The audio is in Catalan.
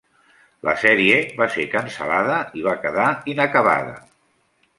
La sèrie va ser cancel·lada i va quedar inacabada.